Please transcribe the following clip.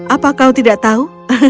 apa kau tidak tahu